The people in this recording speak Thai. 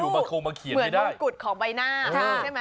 มังกุฎเหมือนมังกุฎของใบหน้าใช่ไหม